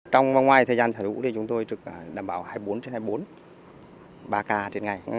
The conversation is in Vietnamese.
trong ngoài thời gian xả lũ chúng tôi đảm bảo hai mươi bốn trên hai mươi bốn ba ca trên ngày